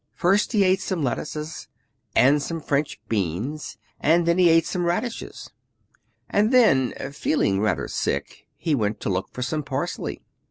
First he ate some lettuces and some French beans; and then he ate some radishes; And then, feeling rather sick, he went to look for some parsley.